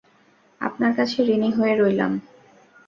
আপনার কাছে ঋনী হয়ে রইলাম।